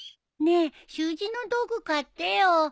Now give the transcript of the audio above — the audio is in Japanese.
ねえ習字の道具買ってよ。